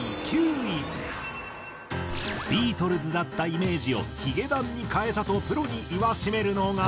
ビートルズだったイメージをヒゲダンに変えたとプロに言わしめるのが。